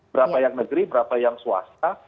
berapa yang negeri berapa yang swasta